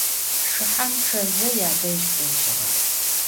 Şşıham, ççeze, yadej k'ojığe.